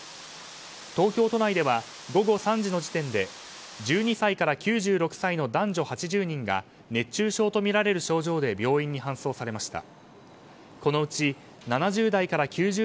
東京都内では午後３時の時点で１２歳から９６歳の男女８０人が熱中症とみられる症状で病院に搬送されました。